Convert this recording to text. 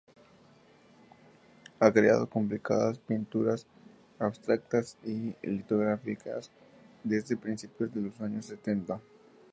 Ha creado complicadas pinturas abstractas y litografías desde principios de los años setenta.